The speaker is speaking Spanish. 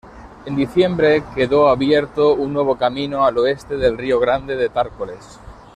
En diciembre quedó abierto un nuevo camino al oeste del río Grande de Tárcoles.